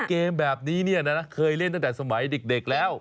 เกมแบบนี้เนี่ยนะเคยเล่นตั้งแต่สมัยเด็กแล้ว